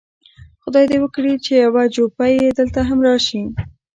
خدای دې وکړي چې یو جوپه یې دلته هم راشي.